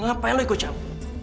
ngapain lo ikut camu